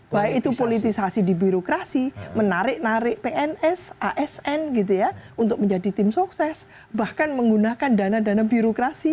baik itu politisasi di birokrasi menarik narik pns asn gitu ya untuk menjadi tim sukses bahkan menggunakan dana dana birokrasi